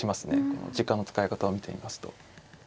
この時間の使い方を見ていますと。